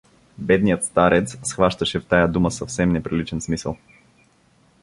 Бедният старец схващаше в тая дума съвсем неприличен смисъл.